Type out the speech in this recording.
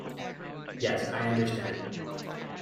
Yes, I understand.